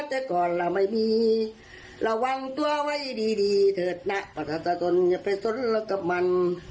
แต่ก่อนเราไม่มีระวังตัวไว้ดีดีเถิดนะประชาชนอย่าไปสนรถกับมัน